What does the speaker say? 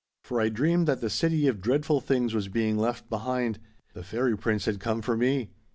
"For I dreamed that the city of dreadful things was being left behind. The fairy prince had come for me.